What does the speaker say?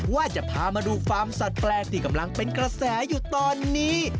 ว่าจะพามาดูฟาร์มสัตว์แปลกที่กำลังเป็นกระแสอยู่ตอนนี้